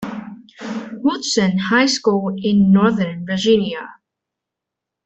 Woodson High School in Northern Virginia.